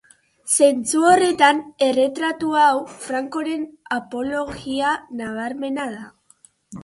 Zentzu horretan, erretratu hau Francoren apologia nabarmena da.